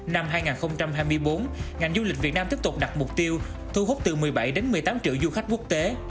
năm hai nghìn hai mươi bốn ngành du lịch việt nam tiếp tục đặt mục tiêu thu hút từ một mươi bảy một mươi tám triệu du khách quốc tế